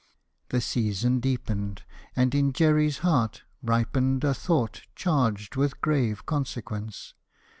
The season deepened, and in Jerry's heart Ripened a thought charged with grave consequence.